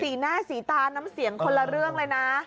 สีหน้าสีตาน้ำเสียงคนละเรื่องเลยนะ